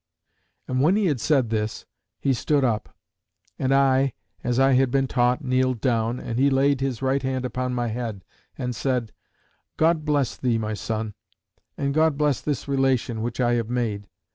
And when he had said this, he stood up; and I, as I had been taught, kneeled down, and he laid his right hand upon my head, and said; "God bless thee, my son; and God bless this relation, which I have made.